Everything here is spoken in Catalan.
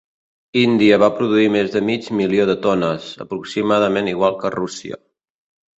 Índia va produir més de mig milió de tones, aproximadament igual que Rússia.